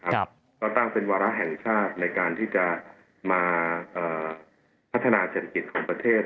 ก็ตั้งเป็นวาระแห่งชาติในการที่จะมาพัฒนาเศรษฐกิจของประเทศ